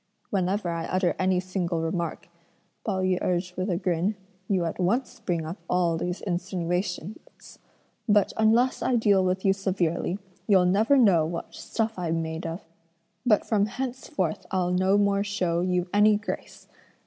"Whenever I utter any single remark," Pao yü urged with a grin, "you at once bring up all these insinuations; but unless I deal with you severely, you'll never know what stuff I'm made of; but from henceforth I'll no more show you any grace!"